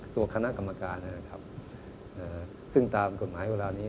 ตัวคณะกรรมการนะครับซึ่งตามกฎหมายเวลานี้